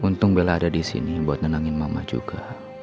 untung bella ada di sini buat nenangin mama juga